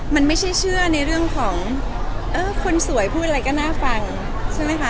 มันไม่ใช่เชื่อในเรื่องของเออคนสวยพูดอะไรก็น่าฟังใช่ไหมคะ